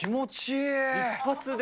一発で。